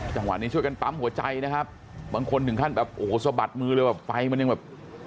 จังหวะนี้ช่วยกันปั๊มหัวใจนะครับบางคนถึงขั้นแบบโอ้โหสะบัดมือเลยแบบไฟมันยังแบบ